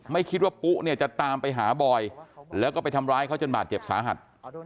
ไม่คิดว่าปุ๊เนี่ยจะตามไปหาบอยแล้วก็ไปทำร้ายเขาจนบาดเจ็บสาหัส